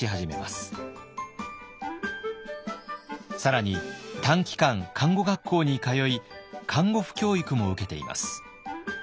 更に短期間看護学校に通い看護婦教育も受けています。